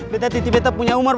biar saya beri umar